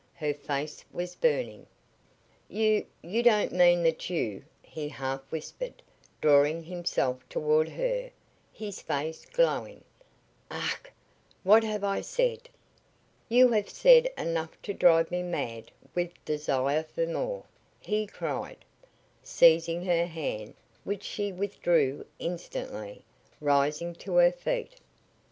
Her face was burning. "You you don't mean that you " he half whispered, drawing himself toward her, his face glowing. "Ach! What have I said?" "You have said enough to drive me mad with desire for more," he cried, seizing her hand, which she withdrew instantly, rising to her feet.